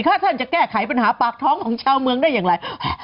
ถ้าท่านจะแก้ไขปัญหาปากท้องของชาวเมืองได้อย่างไร